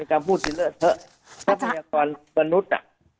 เป็นคำพูดที่เลอะเถอะต้องมีอาการตัวนุษย์